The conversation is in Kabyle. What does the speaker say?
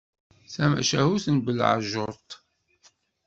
Tamacahut n belɛejjuṭ.